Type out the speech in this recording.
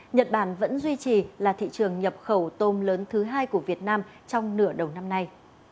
nhật bản vẫn duy trì là thị trường nhập khẩu tôm lớn thứ hai của việt nam trong nửa đầu năm nay